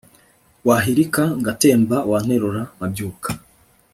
wahirika ngatemba wanterura nkabyuka